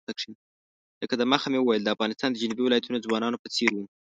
لکه د مخه مې وویل د افغانستان د جنوبي ولایتونو ځوانانو په څېر وو.